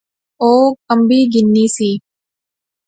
او کمبی گینی سی